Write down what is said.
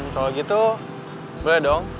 kalau gitu boleh dong